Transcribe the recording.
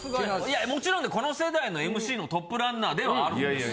もちろんこの世代のＭＣのトップランナーではあるんです。